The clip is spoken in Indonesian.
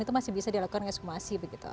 itu masih bisa dilakukan ekshumasi begitu